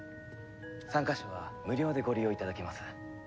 参加者は無料でご利用いただけます。